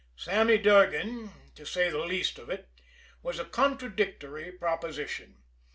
Sammy Durgan, to say the least of it, was a contradictory proposition.